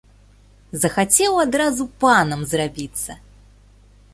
Захацеў адразу панам зрабіцца!